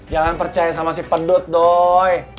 jangan percaya sama si pedut doy